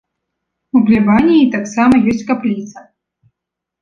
У плябаніі таксама ёсць капліца.